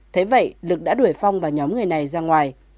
thế vậy lực đã đuổi phong và nhóm người này ra ngoài